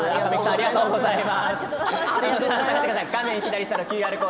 ありがとうございます。